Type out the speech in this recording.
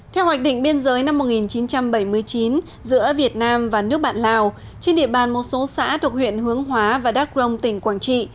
theo hoạch định biên giới năm một nghìn chín trăm bảy mươi chín giữa việt nam và nước bạn lào trên địa bàn một số xã thuộc huyện hướng hóa và đắk rông tỉnh quảng trị